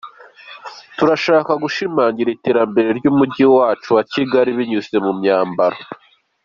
Turashaka gushimangira iterambere ry’umujyi wacu wa Kigali binyuze mu myambaro.